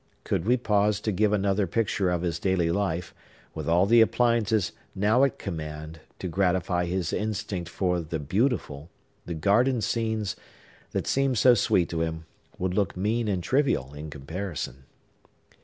Could we pause to give another picture of his daily life, with all the appliances now at command to gratify his instinct for the Beautiful, the garden scenes, that seemed so sweet to him, would look mean and trivial in comparison.